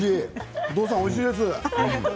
お父さん、おいしいです。